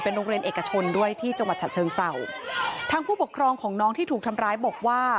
โรงเรียนเอกชนด้วยที่จังหวัดฉะเชิงเศร้าทางผู้ปกครองของน้องที่ถูกทำร้ายบอกว่า